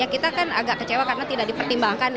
kita kan agak kecewa karena tidak dipertimbangkan